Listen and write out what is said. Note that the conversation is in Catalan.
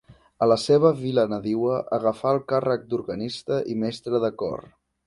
A la seva vila nadiua agafà el càrrec d'organista i mestre de cor.